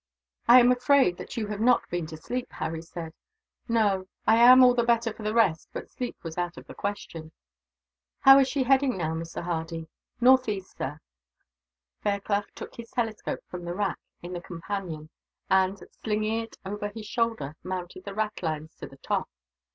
"I am afraid that you have not been to sleep," Harry said. "No. I am all the better for the rest, but sleep was out of the question. "How is she heading now, Mr. Hardy?" "Northeast, sir." Fairclough took his telescope from the rack in the companion and, slinging it over his shoulder, mounted the ratlines to the top.